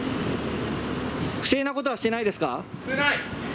不正なことはしてないですか。